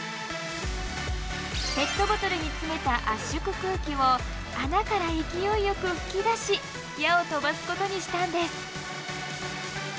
ペットボトルに詰めた圧縮空気を穴から勢いよく噴き出し矢を飛ばすことにしたんです。